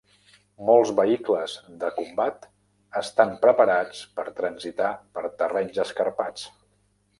Molts Vehicles de Combat estan preparats per a transitar per terrenys escarpats.